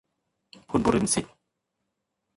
หุ้นบุริมสิทธิ